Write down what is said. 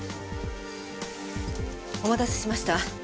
お待たせしました。